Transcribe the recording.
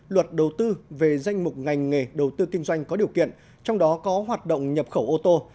luật đầu tư về danh mục ngành nghề đầu tư kinh doanh có điều kiện trong đó có hoạt động nhập khẩu ô tô